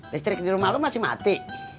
listrik di rumah rumah masih mati